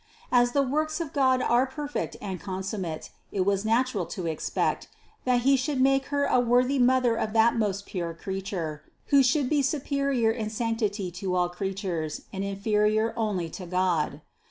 As the works of God are perfect and consum mate, it was natural to expect, that He should make her a worthy mother of that most pure Creature, who should be superior in sanctity to all creatures and inferior only to God.